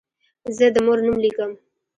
زه د مور نوم لیکم.